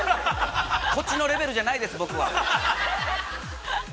こっちのレベルじゃないです、僕は。